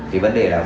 thì vấn đề là